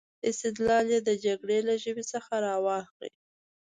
استدلال یې د جګړې له ژبې څخه را واخلي.